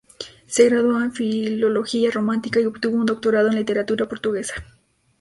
Se graduó en Filología románica y obtuvo un doctorado en Literatura portuguesa.